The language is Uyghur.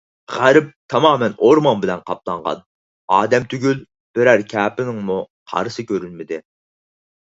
غەرب تامامەن ئورمان بىلەن قاپلانغان، ئادەم تۈگۈل، بىرەر كەپىنىڭمۇ قارىسى كۆرۈنمىدى.